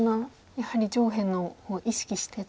やはり上辺の方意識してと。